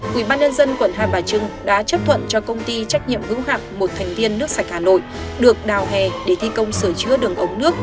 quỹ ban nhân dân quận hai bà trưng đã chấp thuận cho công ty trách nhiệm hữu hạng một thành viên nước sạch hà nội được đào hè để thi công sửa chữa đường ống nước